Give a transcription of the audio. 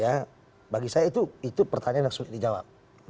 ya bagi saya itu pertanyaan yang sulit dijawab